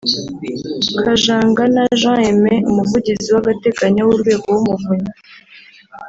Kajangana Jean Aime umuvugizi w’agateganyo w’Urwego w’Umuvunyi